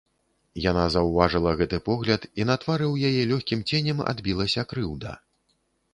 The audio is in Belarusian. Яна заўважыла гэты погляд, і на твары ў яе лёгкім ценем адбілася крыўда.